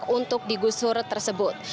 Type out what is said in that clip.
menolak untuk digusur tersebut